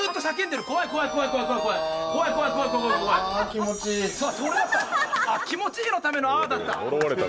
気持ちいいのための「あー」だった。